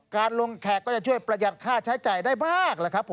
การลงแขกก็จะช่วยประหยัดค่าใช้ใจได้มาก